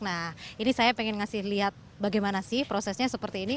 nah ini saya pengen ngasih lihat bagaimana sih prosesnya seperti ini